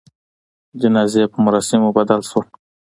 جنازې په مراسموبدل سول.